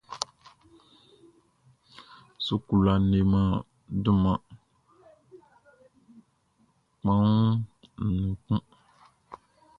Sukula leman dunman kpanwun nun kun.